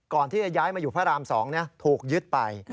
ก่อนที่จะย้ายมาอยู่พระราม๒ถูกยึดไป